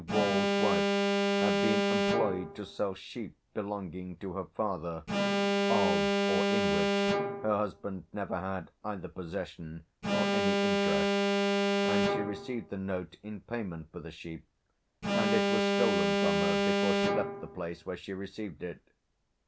Wall's wife had been employed to sell sheep belonging to her father, of or in which her husband never had either possession or any interest, and she received the note in payment for the sheep, and it was stolen from her before she left the place where she received it.